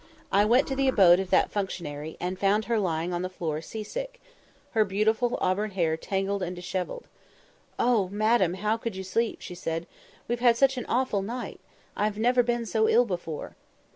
I went to the abode of that functionary, and found her lying on the floor sea sick; her beautiful auburn hair tangled and dishevelled. "Oh! madam, how could you sleep?" she said; "we've had such an awful night! I've never been so ill before."